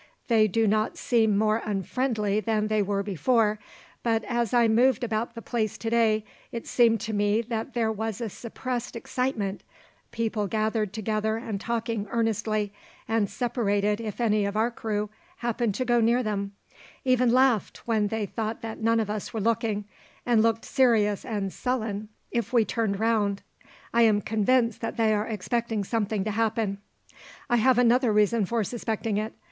They do not seem more unfriendly than they were before, but as I moved about the place today, it seemed to me that there was a suppressed excitement people gathered together and talked earnestly, and separated if any of our crew happened to go near them; even laughed when they thought that none of us were looking, and looked serious and sullen if we turned round. I am convinced that they are expecting something to happen. "I have another reason for suspecting it.